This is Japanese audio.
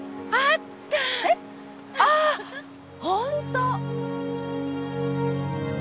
ああ本当！